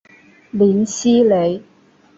林熙蕾。